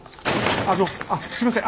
あのあっすいません